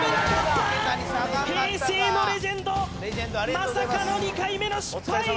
平成のレジェンドまさかの２回目の失敗！